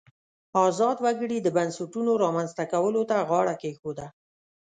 ازاد وګړي د بنسټونو رامنځته کولو ته غاړه کېښوده.